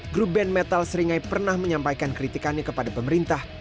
grup band metal seringai pernah menyampaikan kritikannya kepada pemerintah